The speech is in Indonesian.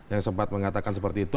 yang sempat mengatakan seperti itu